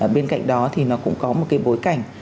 bên cạnh đó thì nó cũng có một cái bối cảnh